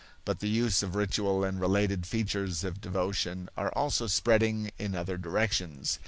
But the use of ritual and related features of devotion are also spreading in other directions.